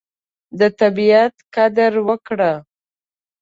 د طبیعت قدر وکړه.